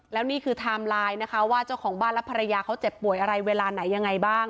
แล้วนี่คือไทม์ไลน์นะคะว่าเจ้าของบ้านและภรรยาเขาเจ็บป่วยอะไรเวลาไหนยังไงบ้าง